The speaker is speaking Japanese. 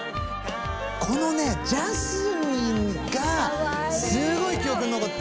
このねジャスミンがすごい記憶に残って。